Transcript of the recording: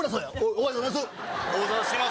おはようございます。